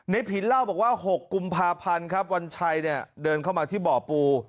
ผินเล่าบอกว่า๖กุมภาพันธ์ครับวันชัยเนี่ยเดินเข้ามาที่บ่อปู